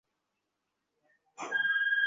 Please, একটা minute.